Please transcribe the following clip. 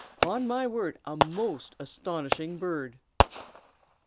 'pon my word, a most astonishing bird!"